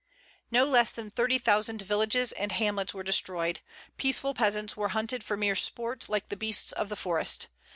"No less than thirty thousand villages and hamlets were destroyed. Peaceful peasants were hunted for mere sport, like the beasts of the forest.